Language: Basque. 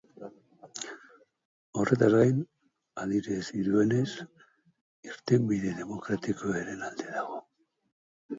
Horretaz gain, adierazi duenez, irtenbide demokratikoaren alde dago.